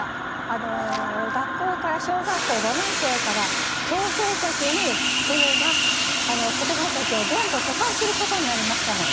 あの小学校５年生から強制的に国が子どもたちを全部疎開することになりましたの。